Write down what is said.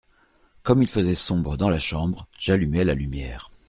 Comme il faisait sombre dans la chambre, j’allumai la lumière.